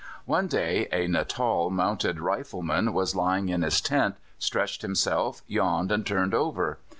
One day a Natal Mounted Rifleman was lying in his tent, stretched himself, yawned, and turned over.